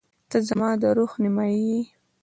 • ته زما د روح نیمه یې.